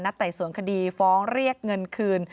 ไต่สวนคดีฟ้องเรียกเงินคืน